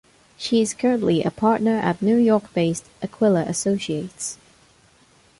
She is currently a partner at New York-based Aquila Associates.